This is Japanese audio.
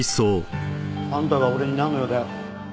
あんたが俺になんの用だよ？